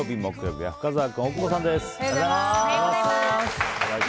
本日木曜日、木曜日は深澤君、大久保さんです。